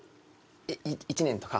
１年とか。